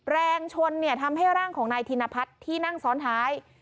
แรงชนเนี่ยทำให้ร่างของนายธินพัฒน์ที่นั่งซ้อนท้าย